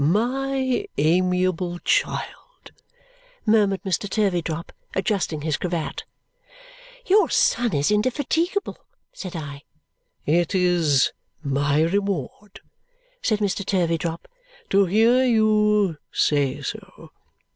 "My amiable child," murmured Mr. Turveydrop, adjusting his cravat. "Your son is indefatigable," said I. "It is my reward," said Mr. Turveydrop, "to hear you say so.